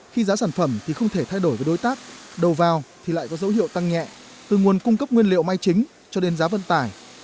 khi giá sản phẩm thì không thể thay đổi với đối tác đầu vào thì lại có dấu hiệu tăng nhẹ từ nguồn cung cấp nguyên liệu may chính cho đến giá vân tải